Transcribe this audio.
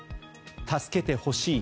助けてほしい。